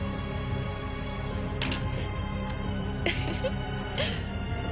ウフフッ。